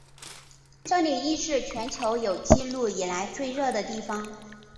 这里亦是全球有纪录以来最热的地方。